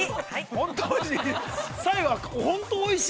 ◆本当おいしい。